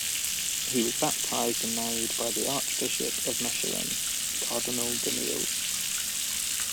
He was baptised and married by the Archbishop of Mechelen, Cardinal Danneels.